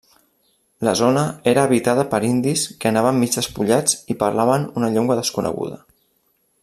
La zona era habitada per indis que anaven mig despullats i parlaven una llengua desconeguda.